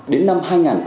đến năm hai nghìn ba mươi